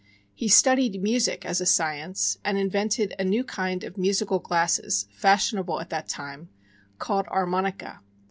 He studied music as a science, and invented a new kind of musical glasses (fashionable at that time) called "Armonica."